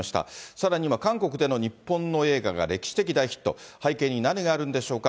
さらに今、韓国でも日本の映画が歴史的大ヒット。背景に何があるんでしょうか。